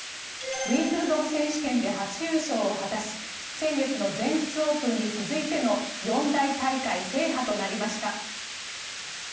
ウィンブルドン選手権で初優勝を果たし先月の全仏オープンに続いての四大大会制覇となりました。